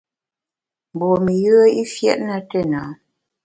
Mgbom-i yùe i fiét na téna.